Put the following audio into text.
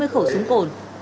sáu mươi khẩu súng cồn